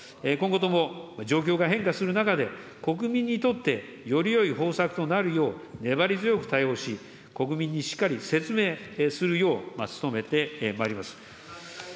今後とも、状況が変化する中で、国民にとってよりよい方策となるよう、粘り強く対応し、国民にしっかり説明するよう努めてまいります。